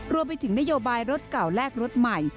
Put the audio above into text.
รวมไปถึงนโยบายรถเก่าแลกรถใหม่